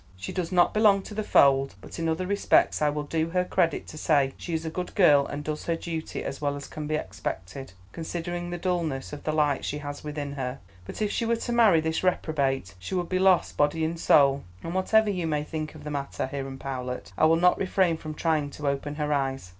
She does not belong to the fold, but in other respects I will do her credit to say she is a good girl and does her duty as well as can be expected, considering the dulness of the light she has within her; but if she were to marry this reprobate she would be lost body and soul; and whatever you may think of the matter, Hiram Powlett, I will not refrain from trying to open her eyes."